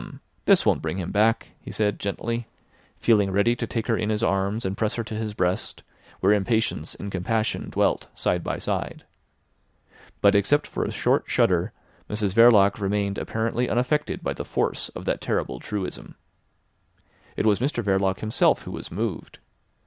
This won't bring him back," he said gently, feeling ready to take her in his arms and press her to his breast, where impatience and compassion dwelt side by side. But except for a short shudder Mrs Verloc remained apparently unaffected by the force of that terrible truism. It was Mr Verloc himself who was moved.